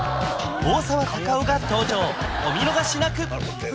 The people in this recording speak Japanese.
大沢たかおが登場お見逃しなく！